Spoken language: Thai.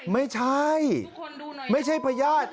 ไม่ใช่ไม่ใช่พญาติ